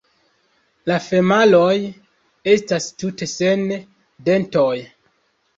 La femaloj estas tute sen dentoj.